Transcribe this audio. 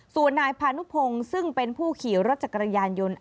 ส่วนนายพานุพงศ์ซึ่งเป็นผู้ขี่รถจักรยานยนต์